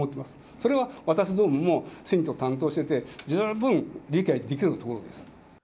それは私どもも選挙を担当してて、十分理解できるところです。